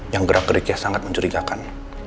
yang gerak geriknya sangat mencurigakan